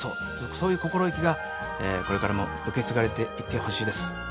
そういう心意気がこれからも受け継がれていってほしいです。